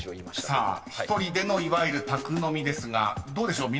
［さあ１人でのいわゆる宅飲みですがどうでしょう？